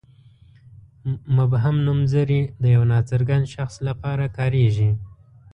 مبهم نومځري د یوه ناڅرګند شخص لپاره کاریږي.